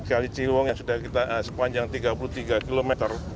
yang ciliwong yang sepanjang tiga puluh tiga km